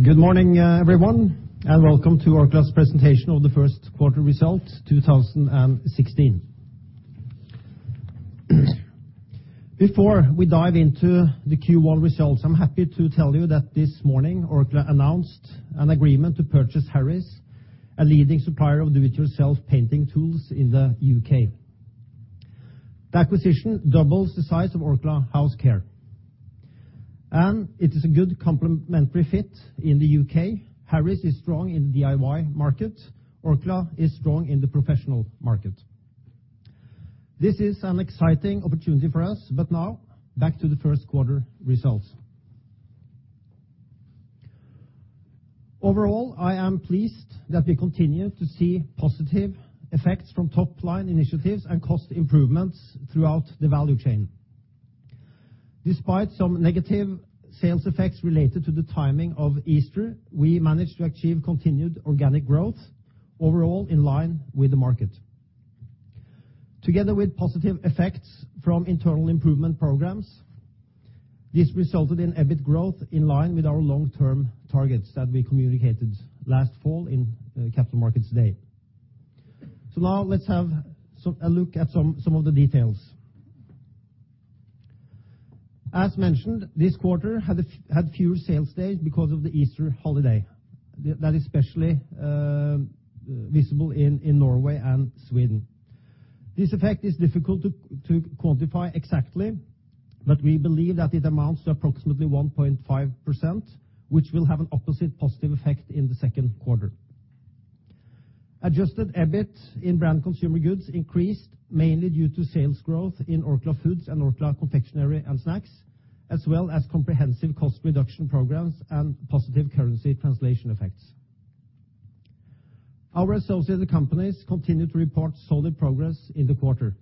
Good morning, everyone, and welcome to Orkla's presentation of the first quarter result 2016. Before we dive into the Q1 results, I'm happy to tell you that this morning Orkla announced an agreement to purchase Harris, a leading supplier of do-it-yourself painting tools in the U.K. The acquisition doubles the size of Orkla House Care, and it is a good complementary fit in the U.K. Harris is strong in DIY market. Orkla is strong in the professional market. This is an exciting opportunity for us. Now back to the first quarter results. Overall, I am pleased that we continue to see positive effects from top-line initiatives and cost improvements throughout the value chain. Despite some negative sales effects related to the timing of Easter, we managed to achieve continued organic growth overall in line with the market. Together with positive effects from internal improvement programs, this resulted in EBIT growth in line with our long-term targets that we communicated last fall in Capital Markets Day. Now let's have a look at some of the details. As mentioned, this quarter had fewer sales days because of the Easter holiday. That is especially visible in Norway and Sweden. This effect is difficult to quantify exactly, but we believe that it amounts to approximately 1.5%, which will have an opposite positive effect in the second quarter. Adjusted EBIT in Branded Consumer Goods increased mainly due to sales growth in Orkla Foods and Orkla Confectionery & Snacks, as well as comprehensive cost reduction programs and positive currency translation effects. Our associated companies continued to report solid progress in the quarter.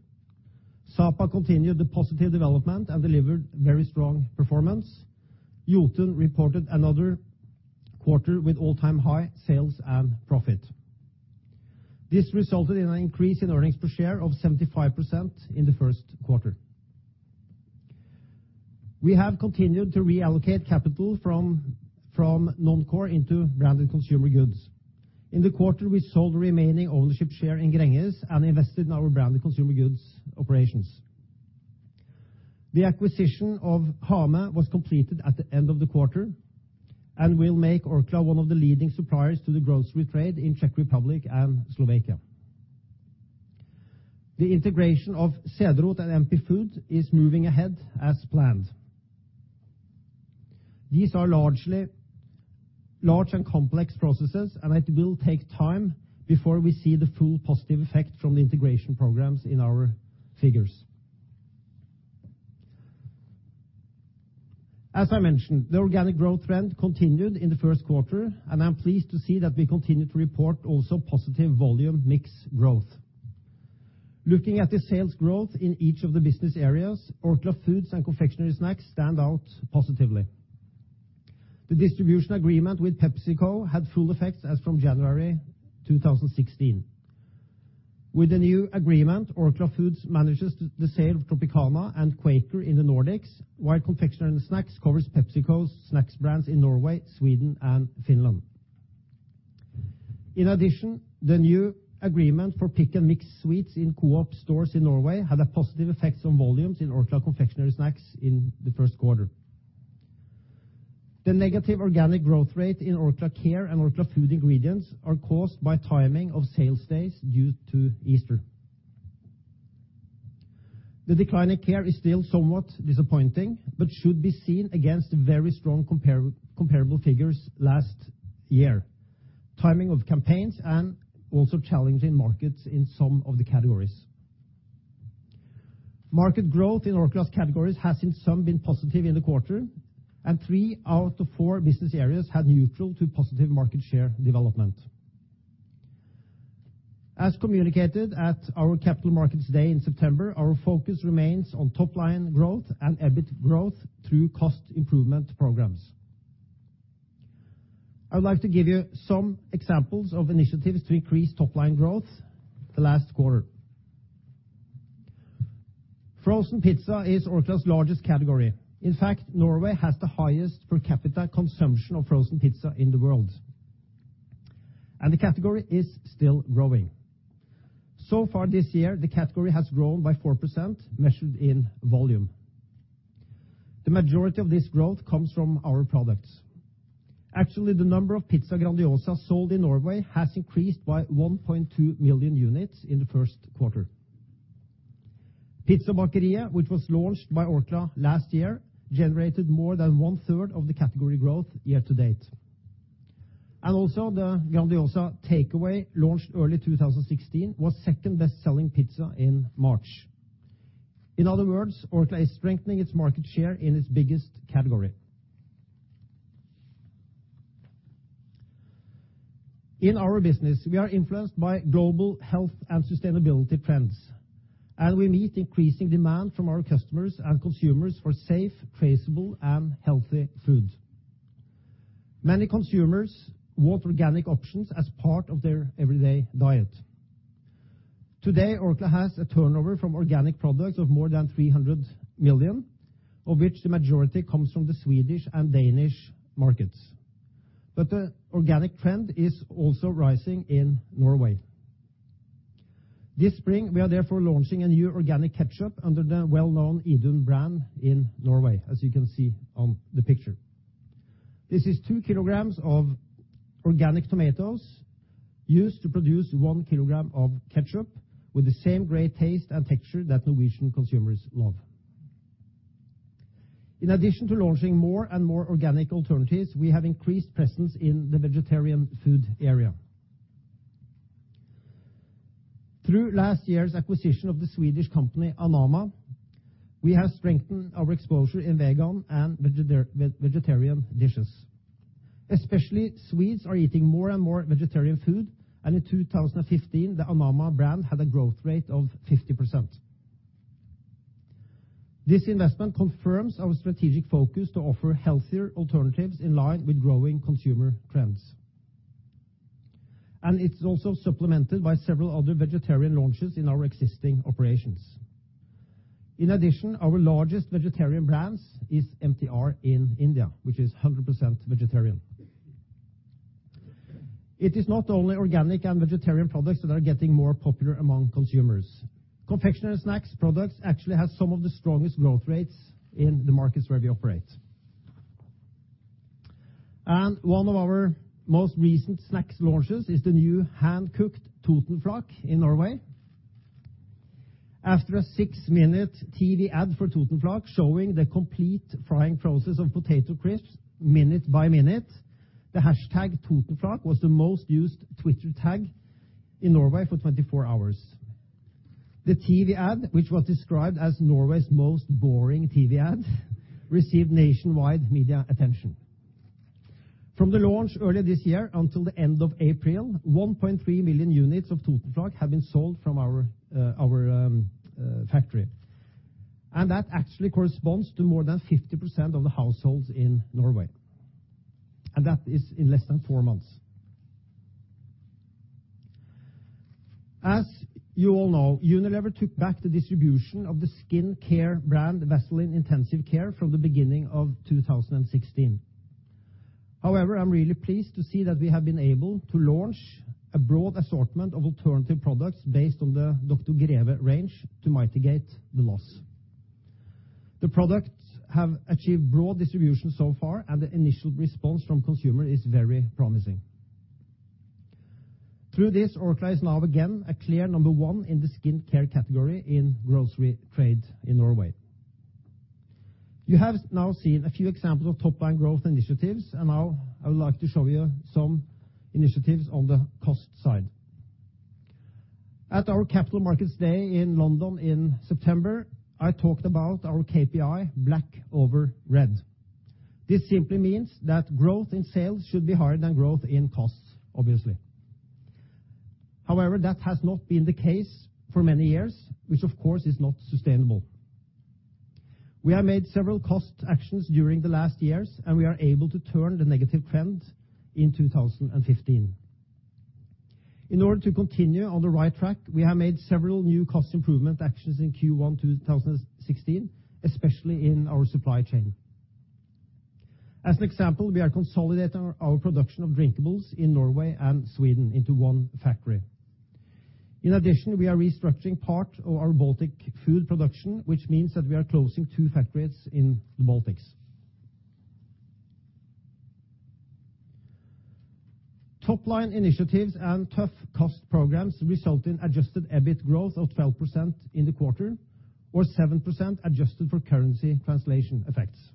Sapa continued the positive development and delivered very strong performance. Jotun reported another quarter with all-time high sales and profit. This resulted in an increase in earnings per share of 75% in the first quarter. We have continued to reallocate capital from non-core into Branded Consumer Goods. In the quarter, we sold the remaining ownership share in Gränges and invested in our Branded Consumer Goods operations. The acquisition of Hamé was completed at the end of the quarter and will make Orkla one of the leading suppliers to the grocery trade in Czech Republic and Slovakia. The integration of Cederroth and NP Foods is moving ahead as planned. These are large and complex processes. It will take time before we see the full positive effect from the integration programs in our figures. As I mentioned, the organic growth trend continued in the first quarter, and I'm pleased to see that we continued to report also positive volume mix growth. Looking at the sales growth in each of the business areas, Orkla Foods and Orkla Confectionery & Snacks stand out positively. The distribution agreement with PepsiCo had full effects as from January 2016. With the new agreement, Orkla Foods manages the sale of Tropicana and Quaker in the Nordics, while Orkla Confectionery & Snacks covers PepsiCo's snacks brands in Norway, Sweden and Finland. In addition, the new agreement for pick and mix sweets in Coop stores in Norway had a positive effect on volumes in Orkla Confectionery & Snacks in the first quarter. The negative organic growth rate in Orkla Care and Orkla Food Ingredients are caused by timing of sales days due to Easter. The decline in Orkla Care is still somewhat disappointing, but should be seen against very strong comparable figures last year, timing of campaigns, and also challenging markets in some of the categories. Market growth in Orkla's categories has in some been positive in the quarter. Three out of four business areas had neutral to positive market share development. As communicated at our Capital Markets Day in September, our focus remains on top-line growth and EBIT growth through cost improvement programs. I would like to give you some examples of initiatives to increase top-line growth the last quarter. Frozen pizza is Orkla's largest category. In fact, Norway has the highest per capita consumption of frozen pizza in the world, and the category is still growing. So far this year, the category has grown by 4%, measured in volume. The majority of this growth comes from our products. Actually, the number of Pizza Grandiosa sold in Norway has increased by 1.2 million units in the first quarter. Pizza Bakeren, which was launched by Orkla last year, generated more than one-third of the category growth year to date. Also the Grandiosa takeaway, launched early 2016, was second best-selling pizza in March. In other words, Orkla is strengthening its market share in its biggest category. In our business, we are influenced by global health and sustainability trends, and we meet increasing demand from our customers and consumers for safe, traceable, and healthy foods. Many consumers want organic options as part of their everyday diet. Today, Orkla has a turnover from organic products of more than 300 million, of which the majority comes from the Swedish and Danish markets. The organic trend is also rising in Norway. This spring, we are therefore launching a new organic ketchup under the well-known Idun brand in Norway, as you can see on the picture. This is two kilograms of organic tomatoes used to produce one kilogram of ketchup, with the same great taste and texture that Norwegian consumers love. In addition to launching more and more organic alternatives, we have increased presence in the vegetarian food area. Through last year's acquisition of the Swedish company Anamma, we have strengthened our exposure in vegan and vegetarian dishes. Especially Swedes are eating more and more vegetarian food, and in 2015, the Anamma brand had a growth rate of 50%. This investment confirms our strategic focus to offer healthier alternatives in line with growing consumer trends. It is also supplemented by several other vegetarian launches in our existing operations. In addition, our largest vegetarian brand is MTR in India, which is 100% vegetarian. It is not only organic and vegetarian products that are getting more popular among consumers. Confectionery snacks products actually has some of the strongest growth rates in the markets where we operate. One of our most recent snacks launches is the new hand-cooked Totenflak in Norway. After a six-minute TV ad for Totenflak showing the complete frying process of potato crisps minute by minute, the hashtag Totenflak was the most used Twitter tag in Norway for 24 hours. The TV ad, which was described as Norway's most boring TV ad, received nationwide media attention. From the launch earlier this year until the end of April, 1.3 million units of Totenflak have been sold from our factory. That actually corresponds to more than 50% of the households in Norway, and that is in less than four months. As you all know, Unilever took back the distribution of the skincare brand Vaseline Intensive Care from the beginning of 2016. However, I am really pleased to see that we have been able to launch a broad assortment of alternative products based on the Dr. Greve range to mitigate the loss. The products have achieved broad distribution so far, and the initial response from consumer is very promising. Through this, Orkla is now again a clear number one in the skincare category in grocery trade in Norway. You have now seen a few examples of top-line growth initiatives, and now I would like to show you some initiatives on the cost side. At our Capital Markets Day in London in September, I talked about our KPI, black over red. This simply means that growth in sales should be higher than growth in costs, obviously. However, that has not been the case for many years, which of course is not sustainable. We have made several cost actions during the last years, we are able to turn the negative trend in 2015. In order to continue on the right track, we have made several new cost improvement actions in Q1 2016, especially in our supply chain. As an example, we are consolidating our production of drinkables in Norway and Sweden into one factory. In addition, we are restructuring part of our Baltic food production, which means that we are closing two factories in the Baltics. Top-line initiatives and tough cost programs result in adjusted EBIT growth of 12% in the quarter, or 7% adjusted for currency translation effects.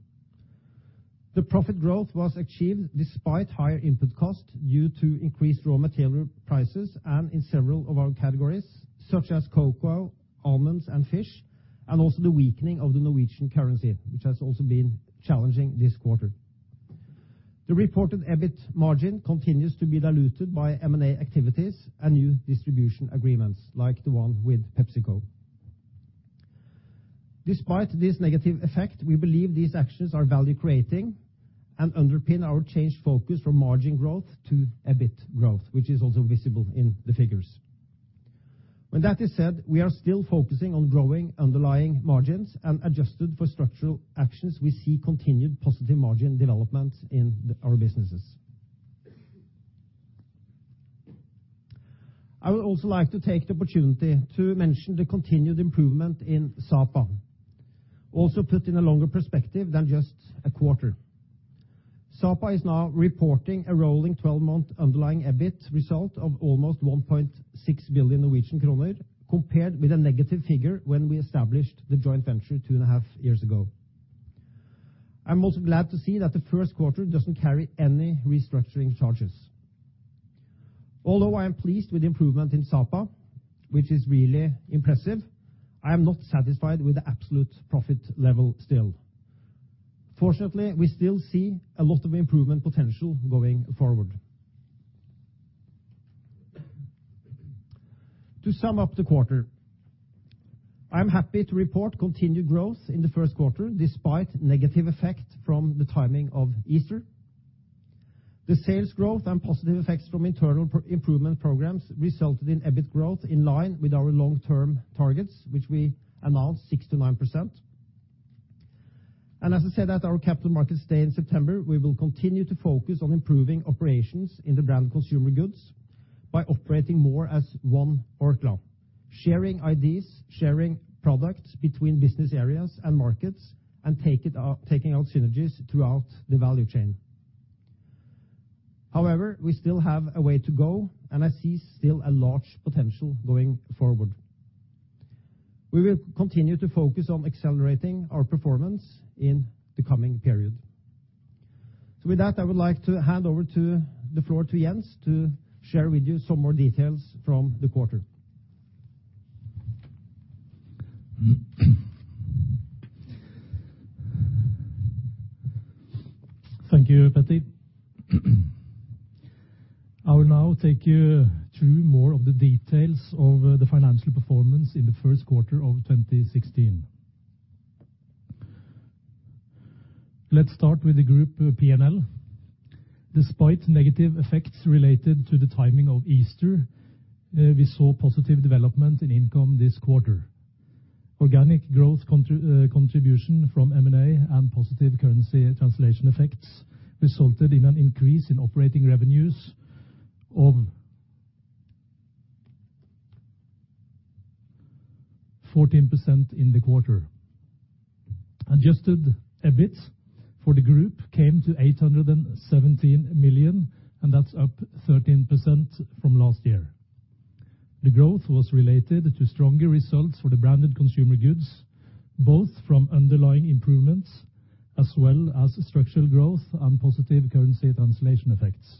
The profit growth was achieved despite higher input costs due to increased raw material prices and in several of our categories, such as cocoa, almonds, and fish, also the weakening of the Norwegian currency, which has also been challenging this quarter. The reported EBIT margin continues to be diluted by M&A activities and new distribution agreements, like the one with PepsiCo. Despite this negative effect, we believe these actions are value-creating underpin our changed focus from margin growth to EBIT growth, which is also visible in the figures. When that is said, we are still focusing on growing underlying margins and adjusted for structural actions we see continued positive margin development in our businesses. I would also like to take the opportunity to mention the continued improvement in Sapa. Also put in a longer perspective than just a quarter. Sapa is now reporting a rolling 12-month underlying EBIT result of almost 1.6 billion Norwegian kroner, compared with a negative figure when we established the Joint Venture two and a half years ago. I'm also glad to see that the first quarter doesn't carry any restructuring charges. Although I am pleased with the improvement in Sapa, which is really impressive, I am not satisfied with the absolute profit level still. Fortunately, we still see a lot of improvement potential going forward. To sum up the quarter I'm happy to report continued growth in the first quarter, despite negative effect from the timing of Easter. The sales growth and positive effects from internal improvement programs resulted in EBIT growth in line with our long-term targets, which we announced 69%. As I said at our Capital Markets Day in September, we will continue to focus on improving operations in the Branded Consumer Goods by operating more as one Orkla. Sharing ideas, sharing products between business areas and markets, taking out synergies throughout the value chain. However, we still have a way to go, I see still a large potential going forward. We will continue to focus on accelerating our performance in the coming period. With that, I would like to hand over the floor to Jens to share with you some more details from the quarter. Thank you, Peter. I will now take you through more of the details of the financial performance in the first quarter of 2016. Let's start with the group P&L. Despite negative effects related to the timing of Easter, we saw positive development in income this quarter. Organic growth contribution from M&A and positive currency translation effects resulted in an increase in operating revenues of 14% in the quarter. Adjusted EBIT for the group came to 817 million, and that's up 13% from last year. The growth was related to stronger results for the Branded Consumer Goods, both from underlying improvements as well as structural growth and positive currency translation effects.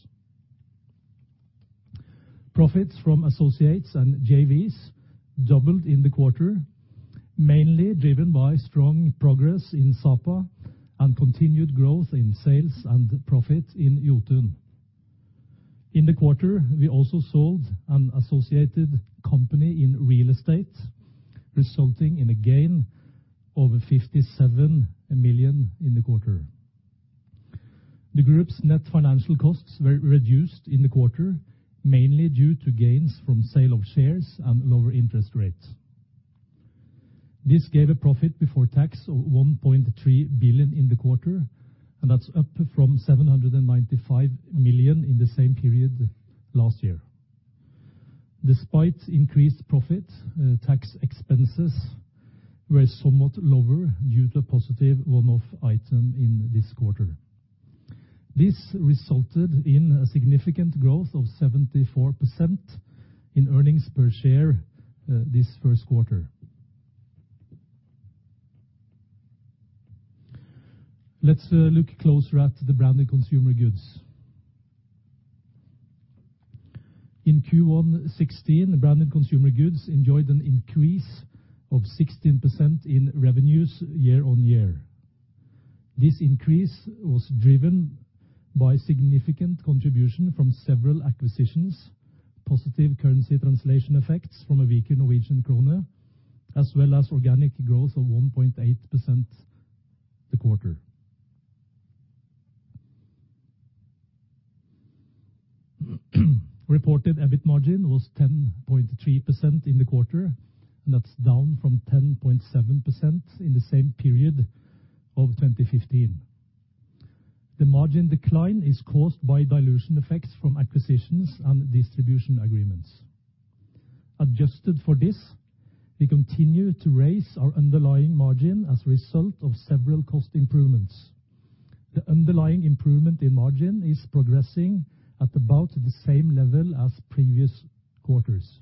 Profits from associates and JVs doubled in the quarter, mainly driven by strong progress in Sapa and continued growth in sales and profit in Jotun. In the quarter, we also sold an associated company in real estate, resulting in a gain over 57 million in the quarter. The group's net financial costs were reduced in the quarter, mainly due to gains from sale of shares and lower interest rates. This gave a profit before tax of 1.3 billion in the quarter, and that's up from 795 million in the same period last year. Despite increased profit, tax expenses were somewhat lower due to a positive one-off item in this quarter. This resulted in a significant growth of 74% in earnings per share this first quarter. Let's look closer at the Branded Consumer Goods. In Q1 '16, Branded Consumer Goods enjoyed an increase of 16% in revenues year-on-year. This increase was driven by significant contribution from several acquisitions, positive currency translation effects from a weaker Norwegian krone, as well as organic growth of 1.8% the quarter. Reported EBIT margin was 10.3% in the quarter, and that's down from 10.7% in the same period of 2015. The margin decline is caused by dilution effects from acquisitions and distribution agreements. Adjusted for this, we continue to raise our underlying margin as a result of several cost improvements. The underlying improvement in margin is progressing at about the same level as previous quarters.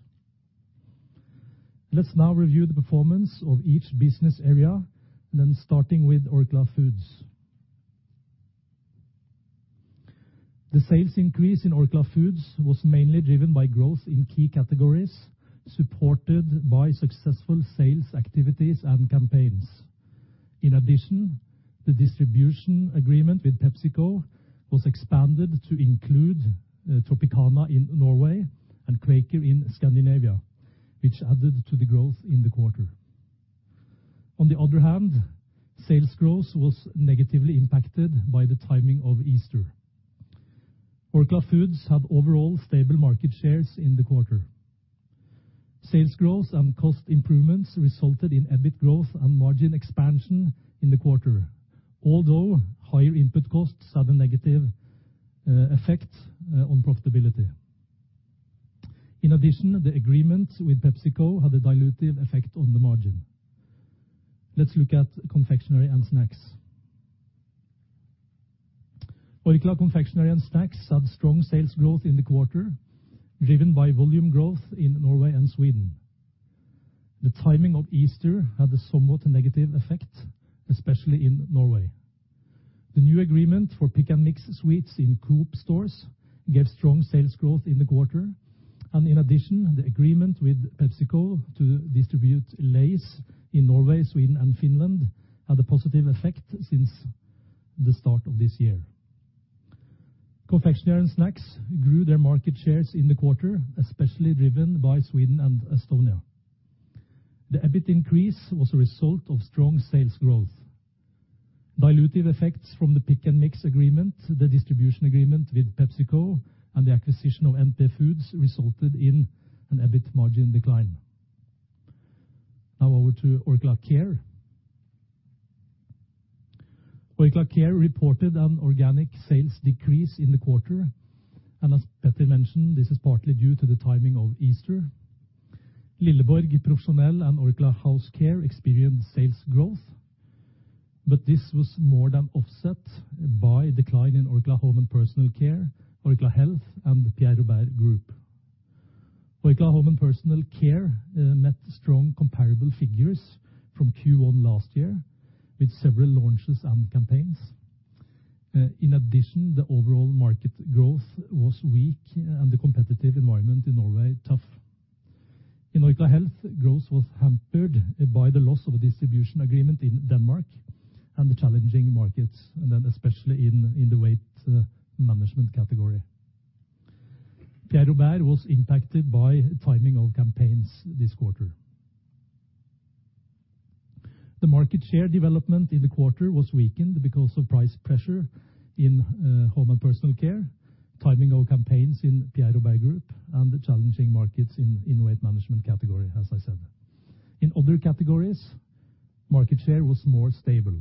Let's now review the performance of each business area, starting with Orkla Foods. The distribution agreement with PepsiCo was expanded to include Tropicana in Norway and Quaker in Scandinavia, which added to the growth in the quarter. On the other hand, sales growth was negatively impacted by the timing of Easter. Orkla Foods have overall stable market shares in the quarter. Sales growth and cost improvements resulted in EBIT growth and margin expansion in the quarter. Although higher input costs have a negative effect on profitability. The agreement with PepsiCo had a dilutive effect on the margin. Let's look at confectionery and snacks. Orkla Confectionery & Snacks had strong sales growth in the quarter, driven by volume growth in Norway and Sweden. The timing of Easter had a somewhat negative effect, especially in Norway. The new agreement for pick and mix sweets in Coop stores gave strong sales growth in the quarter. In addition, the agreement with PepsiCo to distribute Lay's in Norway, Sweden and Finland had a positive effect since the start of this year. Confectionery and snacks grew their market shares in the quarter, especially driven by Sweden and Estonia. The EBIT increase was a result of strong sales growth. Dilutive effects from the pick and mix agreement, the distribution agreement with PepsiCo, and the acquisition of NP Foods resulted in an EBIT margin decline. Over to Orkla Care. Orkla Care reported an organic sales decrease in the quarter, and as Peter mentioned, this is partly due to the timing of Easter. Lilleborg Profesjonell and Orkla House Care experienced sales growth, but this was more than offset by decline in Orkla Home & Personal Care, Orkla Health, and Pierre Robert Group. Orkla Home & Personal Care met strong comparable figures from Q1 last year with several launches and campaigns. In addition, the overall market growth was weak and the competitive environment in Norway tough. In Orkla Health, growth was hampered by the loss of a distribution agreement in Denmark and the challenging markets, especially in the weight management category. Pierre Robert was impacted by timing of campaigns this quarter. The market share development in the quarter was weakened because of price pressure in home and personal care, timing of campaigns in Pierre Robert Group, and the challenging markets in weight management category, as I said. Other categories, market share was more stable.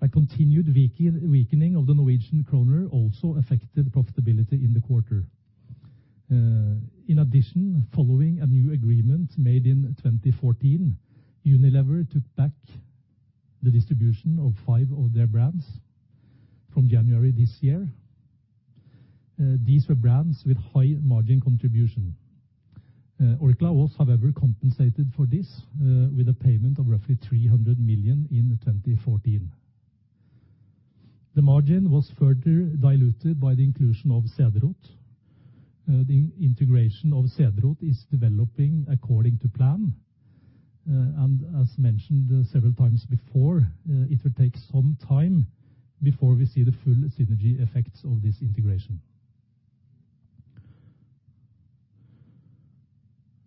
A continued weakening of the Norwegian kroner also affected profitability in the quarter. In addition, following a new agreement made in 2014, Unilever took back the distribution of five of their brands from January this year. These were brands with high margin contribution. Orkla was, however, compensated for this with a payment of roughly 300 million in 2014. The margin was further diluted by the inclusion of Cederroth. The integration of Cederroth is developing according to plan, and as mentioned several times before, it will take some time before we see the full synergy effects of this integration.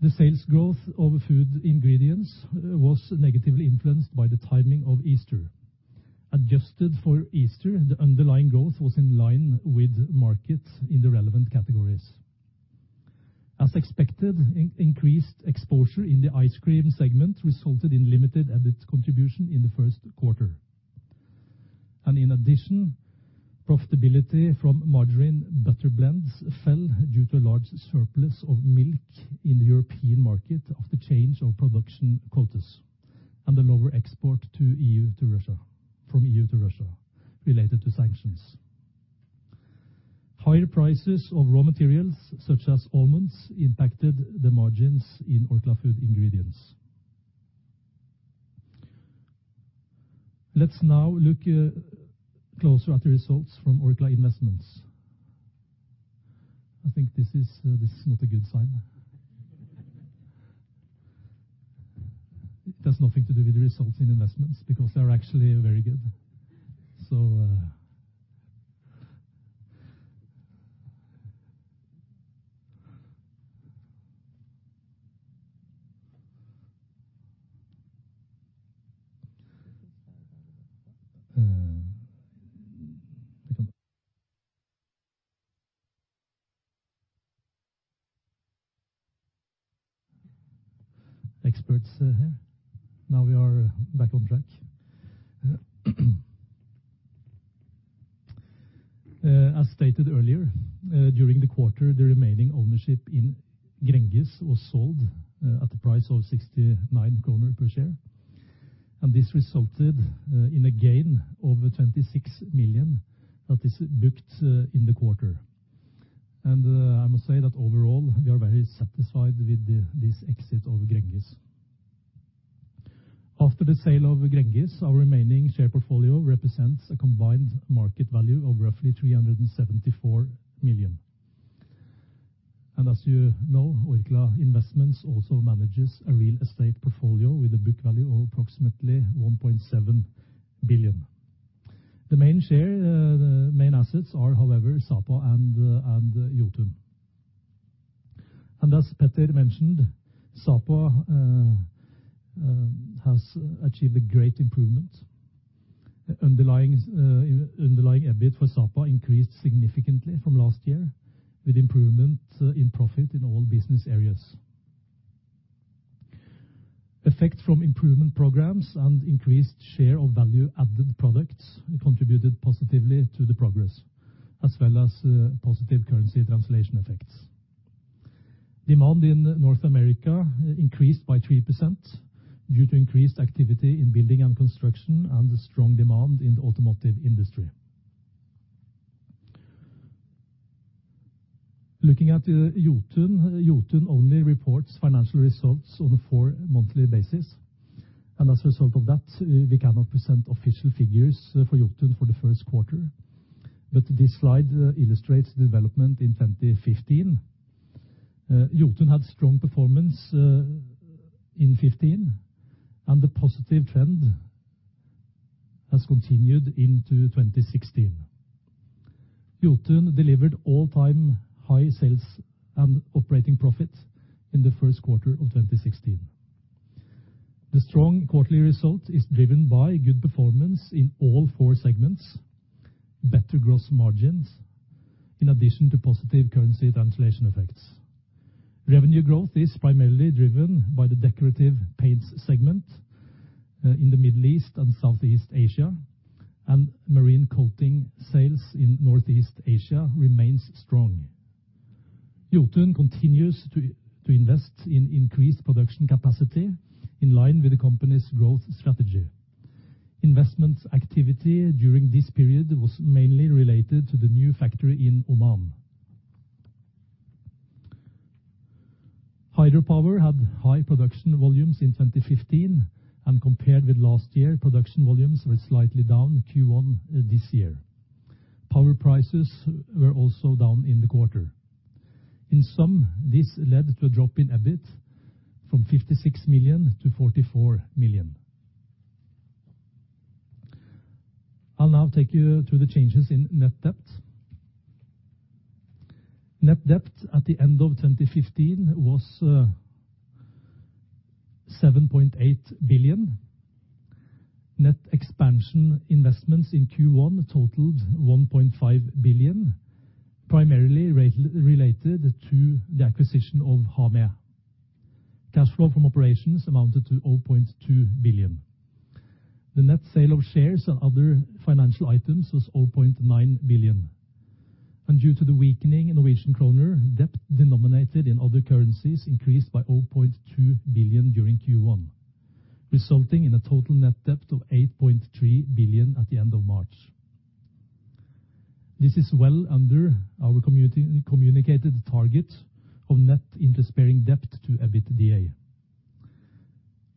The sales growth of food ingredients was negatively influenced by the timing of Easter. Adjusted for Easter, the underlying growth was in line with markets in the relevant categories. As expected, increased exposure in the ice cream segment resulted in limited EBIT contribution in the first quarter. In addition, profitability from margarine butter blends fell due to a large surplus of milk in the European market after change of production quotas and the lower export from EU to Russia related to sanctions. Higher prices of raw materials such as almonds impacted the margins in Orkla Food Ingredients. Let's now look closer at the results from Orkla Investments. I think this is not a good sign. It has nothing to do with the results in investments because they're actually very good. Experts here. Now we are back on track. As stated earlier, during the quarter, the remaining ownership in Gränges was sold at the price of 69 kroner per share, this resulted in a gain of 26 million that is booked in the quarter. I must say that overall, we are very satisfied with this exit of Gränges. After the sale of Gränges, our remaining share portfolio represents a combined market value of roughly 374 million. As you know, Orkla Investments also manages a real estate portfolio with a book value of approximately 1.7 billion. The main assets are, however, Sapa and Jotun. As Peter mentioned, Sapa has achieved a great improvement. Underlying EBIT for Sapa increased significantly from last year, with improvement in profit in all four business areas. Effects from improvement programs and increased share of value-added products contributed positively to the progress, as well as positive currency translation effects. Demand in North America increased by 3% due to increased activity in building and construction and the strong demand in the automotive industry. Looking at Jotun only reports financial results on a 4-monthly basis, as a result of that, we cannot present official figures for Jotun for the first quarter. This slide illustrates the development in 2015. Jotun had strong performance in 2015, the positive trend has continued into 2016. Jotun delivered all-time high sales and operating profit in the first quarter of 2016. The strong quarterly result is driven by good performance in all four segments, better gross margins, in addition to positive currency translation effects. Revenue growth is primarily driven by the decorative paints segment in the Middle East and Southeast Asia, marine coating sales in Northeast Asia remains strong. Jotun continues to invest in increased production capacity in line with the company's growth strategy. Investment activity during this period was mainly related to the new factory in Oman. Hydro Power had high production volumes in 2015, compared with last year, production volumes were slightly down Q1 this year. Power prices were also down in the quarter. In sum, this led to a drop in EBIT from 56 million to 44 million. I'll now take you through the changes in net debt. Net debt at the end of 2015 was 7.8 billion. Net expansion investments in Q1 totaled 1.5 billion, primarily related to the acquisition of Hamé. Cash flow from operations amounted to 0.2 billion. The net sale of shares and other financial items was 0.9 billion. Due to the weakening in Norwegian kroner, debt denominated in other currencies increased by 0.2 billion during Q1, resulting in a total net debt of 8.3 billion at the end of March. This is well under our communicated target of net interest-bearing debt to EBITDA.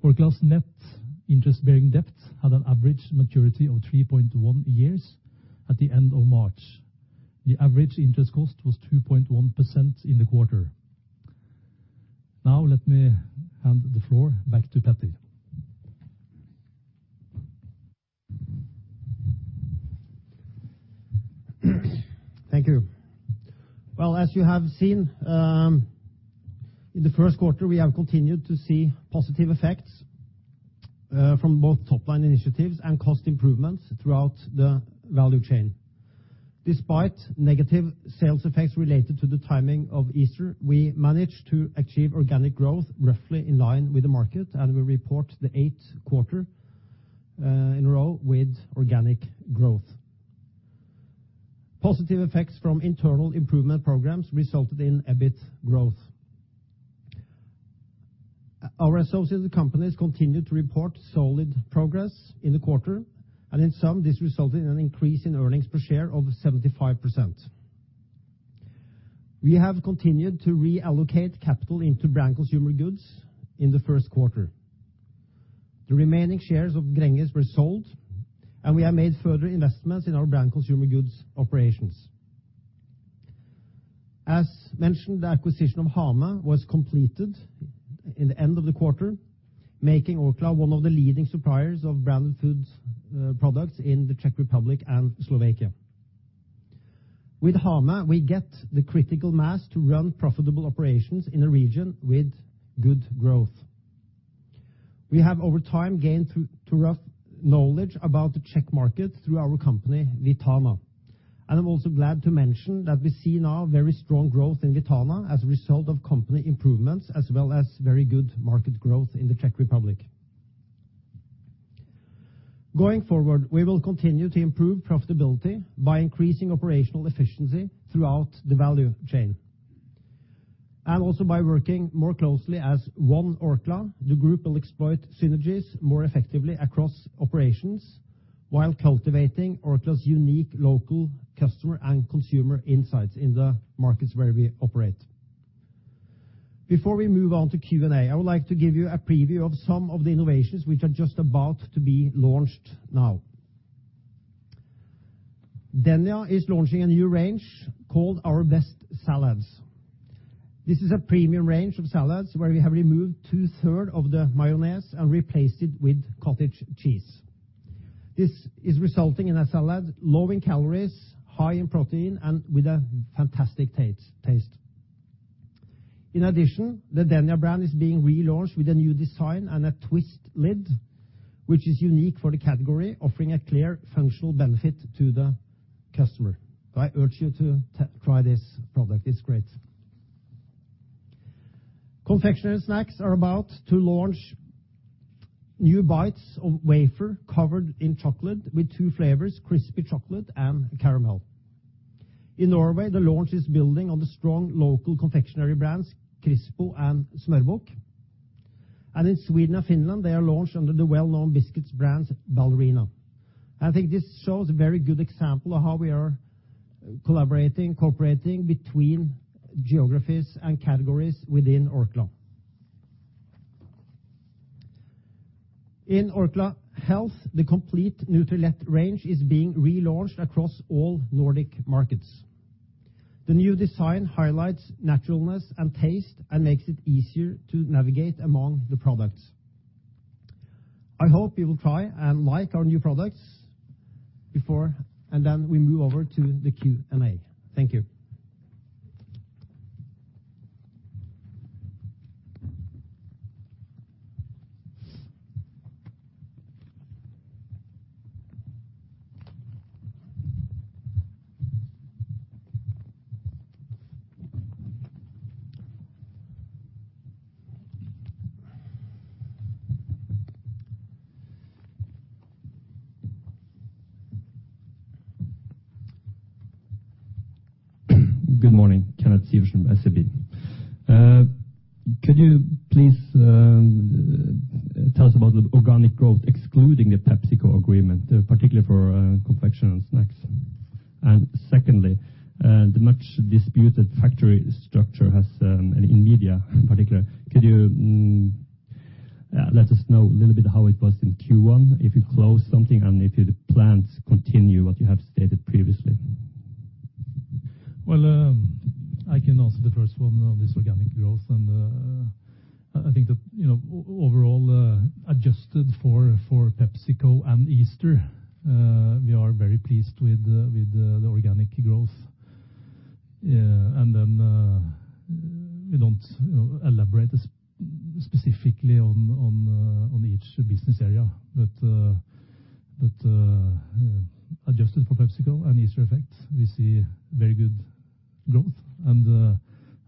Orkla's net interest-bearing debt had an average maturity of 3.1 years at the end of March. The average interest cost was 2.1% in the quarter. Now let me hand the floor back to Peter. Thank you. Well, as you have seen, in the first quarter, we have continued to see positive effects from both top-line initiatives and cost improvements throughout the value chain. Despite negative sales effects related to the timing of Easter, we managed to achieve organic growth roughly in line with the market, and we report the eighth quarter in a row with organic growth. Positive effects from internal improvement programs resulted in EBIT growth. Our associated companies continued to report solid progress in the quarter, and in some, this resulted in an increase in earnings per share of 75%. We have continued to reallocate capital into Branded Consumer Goods in the first quarter. The remaining shares of Gränges were sold, and we have made further investments in our Branded Consumer Goods operations. As mentioned, the acquisition of Hamé was completed in the end of the quarter, making Orkla one of the leading suppliers of branded food products in the Czech Republic and Slovakia. With Hamé, we get the critical mass to run profitable operations in a region with good growth. We have, over time, gained thorough knowledge about the Czech market through our company, Vitana. I'm also glad to mention that we see now very strong growth in Vitana as a result of company improvements, as well as very good market growth in the Czech Republic. Going forward, we will continue to improve profitability by increasing operational efficiency throughout the value chain. Also by working more closely as one Orkla, the group will exploit synergies more effectively across operations while cultivating Orkla's unique local customer and consumer insights in the markets where we operate. Before we move on to Q&A, I would like to give you a preview of some of the innovations which are just about to be launched now. Delikat is launching a new range called Our Best Salads. This is a premium range of salads where we have removed two-third of the mayonnaise and replaced it with cottage cheese. This is resulting in a salad low in calories, high in protein, and with a fantastic taste. In addition, the Delikat brand is being relaunched with a new design and a twist lid, which is unique for the category, offering a clear functional benefit to the customer. I urge you to try this product. It's great. Orkla Confectionery & Snacks are about to launch new bites of wafer covered in chocolate with two flavors, crispy chocolate and caramel. In Norway, the launch is building on the strong local confectionery brands, Crispo and Smash. In Sweden and Finland, they are launched under the well-known biscuits brands, Ballerina. I think this shows a very good example of how we are collaborating, cooperating between geographies and categories within Orkla. In Orkla Health, the complete Nutrilett range is being relaunched across all Nordic markets. The new design highlights naturalness and taste and makes it easier to navigate among the products. I hope you will try and like our new products before, then we move over to the Q&A. Thank you. Good morning, Kenneth Syversen, SEB. Could you please tell us about the organic growth, excluding the PepsiCo agreement, particularly for Confectionery & Snacks? Secondly, the much-disputed factory structure, and in media in particular, could you let us know a little bit how it was in Q1, if you closed something, and if the plans continue what you have stated previously? Well, I can answer the first one on this organic growth. Then we don't elaborate specifically on each business area. Adjusted for PepsiCo and Easter, we are very pleased with the organic growth.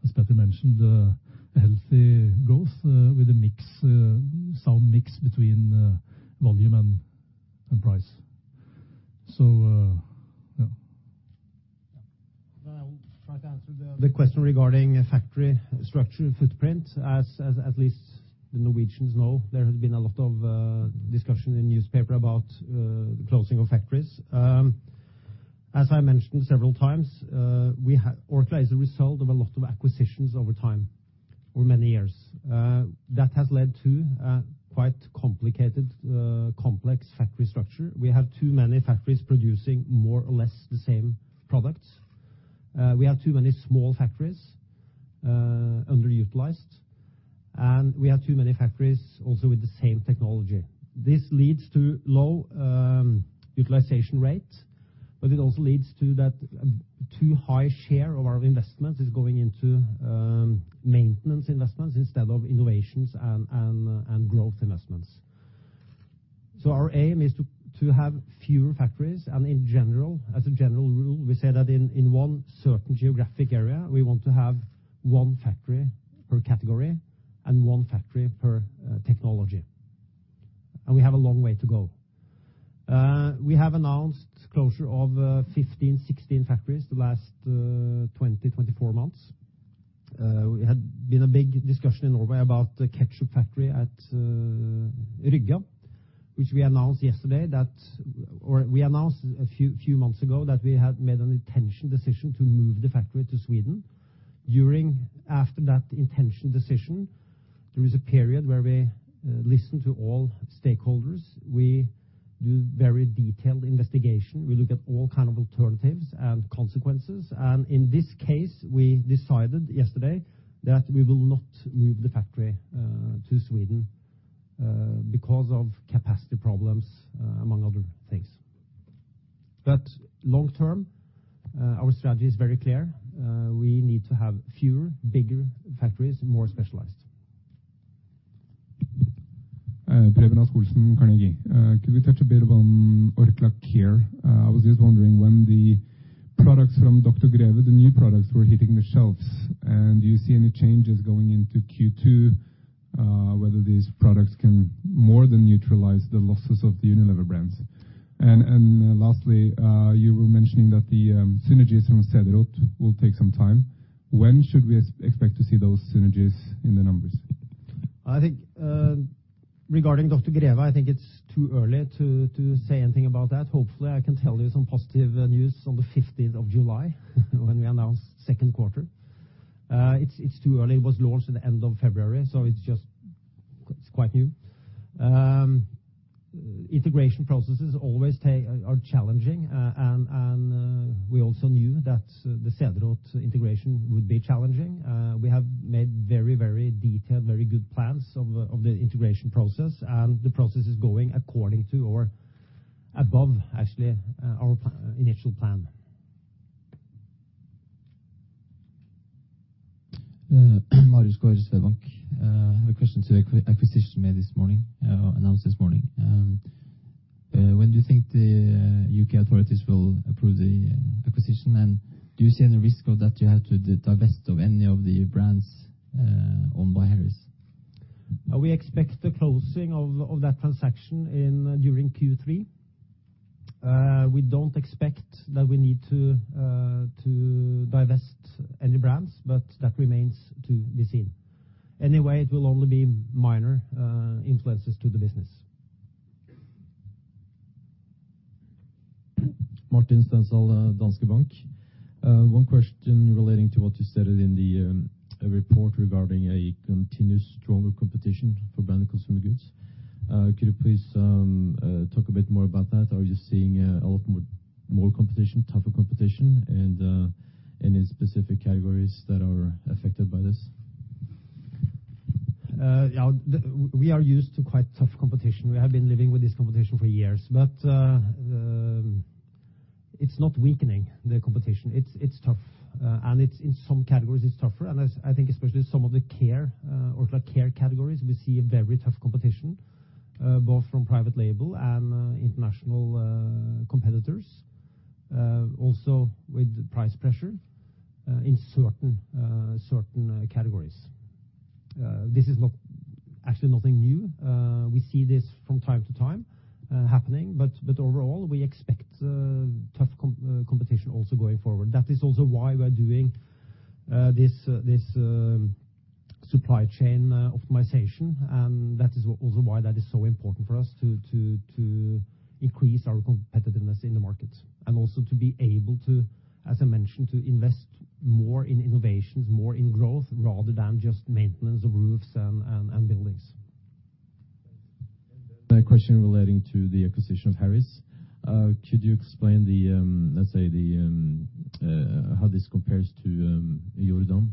As Peter mentioned, a healthy growth with a sound mix between volume and price. I will try to answer the question regarding factory structure footprint. As at least the Norwegians know, there has been a lot of discussion in newspaper about the closing of factories. As I mentioned several times Orkla is a result of a lot of acquisitions over time, over many years. That has led to quite complicated, complex factory structure. We have too many factories producing more or less the same products. We have too many small factories, underutilized, and we have too many factories also with the same technology. This leads to low utilization rates, but it also leads to that too high share of our investments We need to have fewer, bigger factories, more specialized. Preben A. Skjelsbakk, Carnegie. Could we touch a bit on Orkla Care? I was just wondering when the products from Dr. Greve, the new products, were hitting the shelves, and do you see any changes going into Q2, whether these products can more than neutralize the losses of the Unilever brands? Lastly, you were mentioning that the synergies from Cederroth will take some time. When should we expect to see those synergies in the numbers? I think, regarding Dr. Greve, I think it's too early to say anything about that. Hopefully, I can tell you some positive news on the 15th of July when we announce second quarter. It's too early. It was launched at the end of February, so it's quite new. Integration processes always are challenging. We also knew that the Cederroth integration would be challenging. We have made very detailed, very good plans of the integration process. The process is going according to or above, actually, our initial plan. Marius Gaard, Swedbank. I have a question to the acquisition made this morning, announced this morning. When do you think the U.K. authorities will approve the acquisition? Do you see any risk of that you have to divest of any of the brands owned by Harris? We expect the closing of that transaction during Q3. We don't expect that we need to divest any brands, but that remains to be seen. Anyway, it will only be minor influences to the business. Martin Stensal, Danske Bank. One question relating to what you stated in the report regarding a continuous stronger competition for Branded Consumer Goods. Could you please talk a bit more about that? Are you seeing a lot more competition, tougher competition? Any specific categories that are affected by this? We are used to quite tough competition. We have been living with this competition for years, but it's not weakening, the competition. It's tough. In some categories, it's tougher. I think especially some of the Orkla Care categories, we see a very tough competition, both from private label and international competitors. Also with price pressure in certain categories. This is actually nothing new. We see this from time to time happening, but overall, we expect tough competition also going forward. That is also why we are doing this supply chain optimization, and that is also why that is so important for us to increase our competitiveness in the market. Also to be able to, as I mentioned, to invest more in innovations, more in growth, rather than just maintenance of roofs and buildings. Thanks. A question relating to the acquisition of Harris. Could you explain how this compares to Jordan,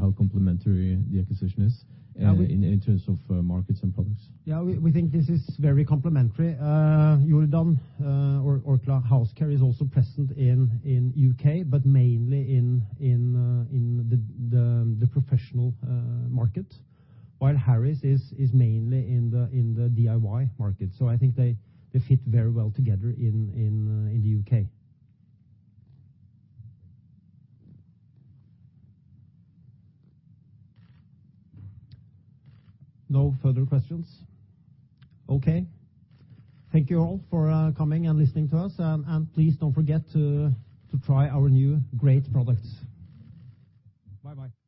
how complementary the acquisition is in terms of markets and products? Yeah, we think this is very complementary. Jordan, Orkla House Care is also present in U.K., but mainly in the professional market, while Harris is mainly in the DIY market. I think they fit very well together in the U.K. No further questions? Okay. Thank you all for coming and listening to us, and please don't forget to try our new great products. Bye-bye.